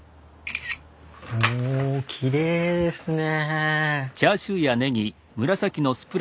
おきれいですね。